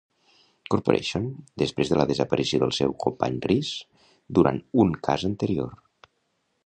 Corporation després de la desaparició del seu company Reese durant un cas anterior.